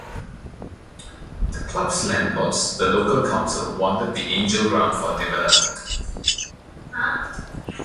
The club's landlords, the local council, wanted the Angel Ground for development.